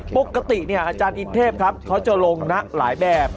ปกติอาจารย์อินเทพครับเขาจะลงนะหลายแบบ